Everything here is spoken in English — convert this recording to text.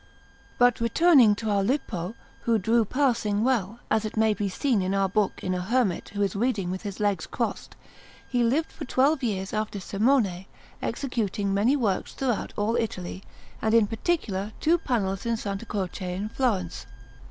But returning to our Lippo, who drew passing well, as it may be seen in our book in a hermit who is reading with his legs crossed; he lived for twelve years after Simone, executing many works throughout all Italy, and in particular two panels in S. Croce in Florence.